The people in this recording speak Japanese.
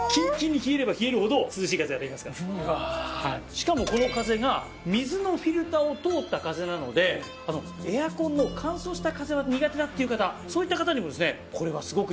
しかもこの風が水のフィルターを通った風なのでエアコンの乾燥した風が苦手だっていう方そういった方にもこれはすごくいいんですよ。